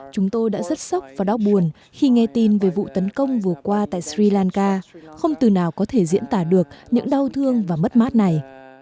chúng tôi đã rất sốc và đau buồn khi nghe tin về vụ tấn công vừa qua tại sri lanka không từ nào có thể diễn tả được những đau thương và mất mát này